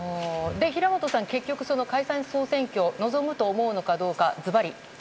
平本さん、結局解散・総選挙に臨むと思うのかどうか、ずばり。